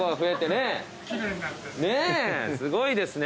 ねぇすごいですね。